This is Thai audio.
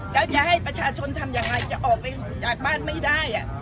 แล้วจะให้ประชาชนทำอย่างไรจะออกไปจากบ้านไม่ได้